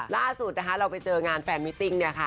ล่าสุดนะคะเราไปเจองานแฟนมิติ้งเนี่ยค่ะ